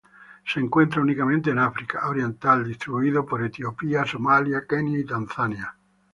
Se encuentra únicamente en África oriental, distribuido por Etiopía, Somalia, Kenia y Tanzania.